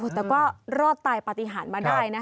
แต่ก็รอดตายปฏิหารมาได้นะคะ